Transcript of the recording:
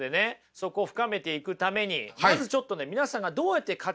そこを深めていくためにまずちょっとね皆さんがどうやって価値観を決めていってるか